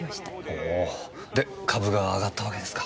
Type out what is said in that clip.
ほぉで株が上がったわけですか？